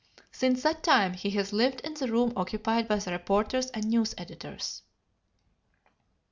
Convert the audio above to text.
Since that time he has lived in the room occupied by the reporters and news editors.